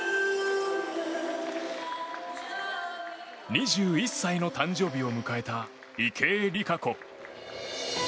２１歳の誕生日を迎えた池江璃花子。